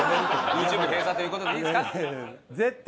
ＹｏｕＴｕｂｅ閉鎖という事でいいですか？